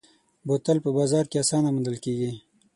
بوتل په بازار کې اسانه موندل کېږي.